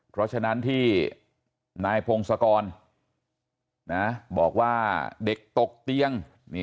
เพราะฉะนั้นที่นายพงศกรบอกว่าเด็กตกเตียง